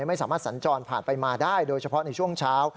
ไม่สามารถสัญจรผ่านไปมาได้โดยเฉพาะในช่วงเช้า